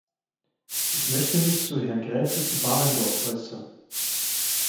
Ich möchte mich zu Herrn Graefe zu Baringdorf äußern.